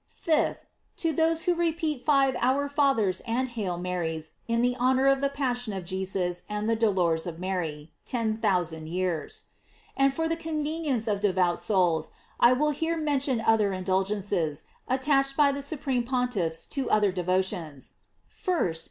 5th. To those who repeat five "Our Fathers" and "Hail Marys" in honor of the passion of Je BUS and the dolors of Mary, ten thousand years. And for the convenience of devout souls, I will here mention other indulgences, attached by th« Sovereign Pontiffs to other devotions: 1st.